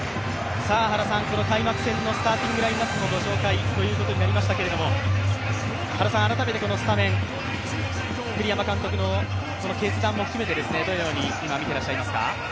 この開幕戦のスターティングラインナップのご紹介になりましたけれども、改めて、このスタメン、栗山監督の決断も含めて、どのように見ていらっしゃいますか。